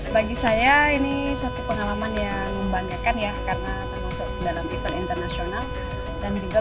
bagi saya ini satu pengalaman yang membanggakan ya karena termasuk dalam event internasional dan juga